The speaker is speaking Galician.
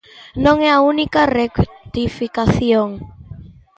Non é a única rectificación.